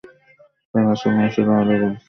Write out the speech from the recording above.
তার আসল নাম ছিল আলি গুরশপ।